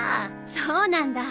そうなんだ。